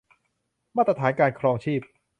มาตรฐานการครองชีพ